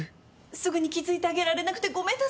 すぐに気付いてあげられなくてごめんなさい。